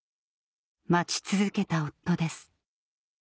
待ち続けた夫です